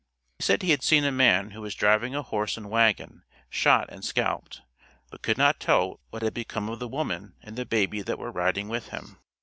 He said he had seen a man who was driving a horse and wagon, shot and scalped, but could not tell what had become of the woman and baby that were riding with him.